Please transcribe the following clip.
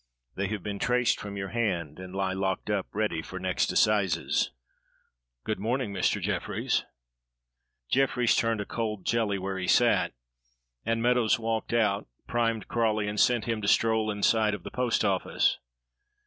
They have been traced from your hand, and lie locked up ready for next assizes. Good morning, Mr. Jefferies." Jefferies turned a cold jelly where he sat and Meadows walked out, primed Crawley, and sent him to stroll in sight of the post office.